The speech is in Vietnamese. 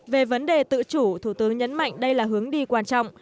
về vấn đề tự chủ thủ tướng nhấn mạnh đây là hướng đi quan trọng